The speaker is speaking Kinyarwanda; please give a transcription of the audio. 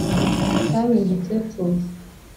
Cyahindutse cushu